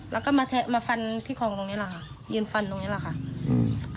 แล้วก็มาแทะมาฟันพี่คลองตรงนี้แหละค่ะยืนฟันตรงนี้แหละค่ะอืม